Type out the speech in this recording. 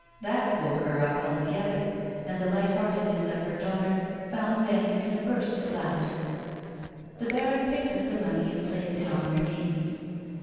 That woke her up alto gether, and the light heartedness of her daughter found vent in a burst of laughter. The baron picked up the money and placed it on her knees.